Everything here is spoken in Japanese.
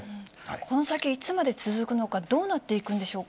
この先いつまで続くのか、どうなっていくんでしょうか。